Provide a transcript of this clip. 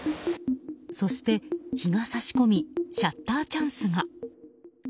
そして、日が差し込みシャッターチャンスが。